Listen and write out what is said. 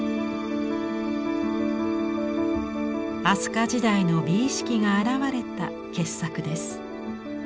飛鳥時代の美意識が表れた傑作です。